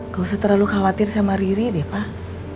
gak usah terlalu khawatir sama riri deh pak